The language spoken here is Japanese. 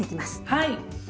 はい！